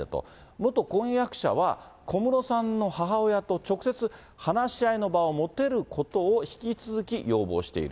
元婚約者は、小室さんの母親と直接話し合いの場を持てることを引き続き要望している。